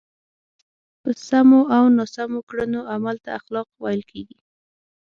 په سمو او ناسم کړنو عمل ته هم اخلاق ویل کېږي.